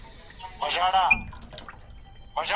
که د چا خوښه نه وي له خوراک څخه ډډه کولای سي؟